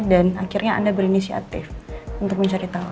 dan akhirnya anda berinisiatif untuk mencari tahu